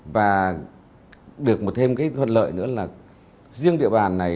và được một thêm cái thuận lợi nữa là riêng địa bàn này